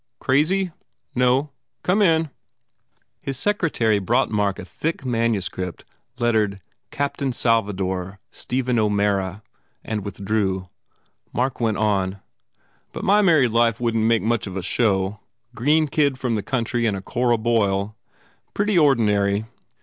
Crazy? No. Come in." His secretary brought 146 GURDY Mark a thick manuscript lettered "Captain Sal vador: Stephen O Mara." and withdrew. Mark went on, "But my married life wouldn t make much of a show green kid from the country and a a Cora Boyle. Pretty ordinary."